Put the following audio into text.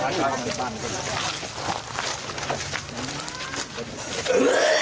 เยอะ